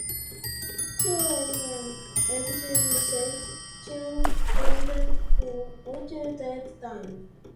She was an active section president until that time.